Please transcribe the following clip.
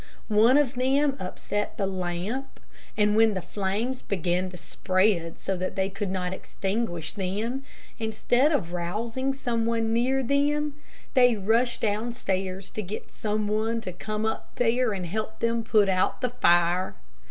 One of them upset the lamp, and when the flames began to spread so that they could not extinguish them, instead of rousing some one near them, they rushed downstairs to get some one there to come up and help them put out the fire.